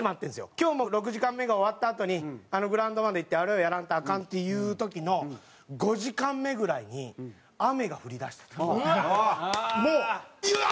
今日も６時間目が終わったあとにあのグラウンドまで行ってあれをやらんとアカンっていう時の５時間目ぐらいにうわっ。